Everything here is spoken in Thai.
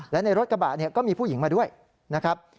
และในรถกระบะเนี่ยก็มีผู้หญิงมาด้วยนะครับ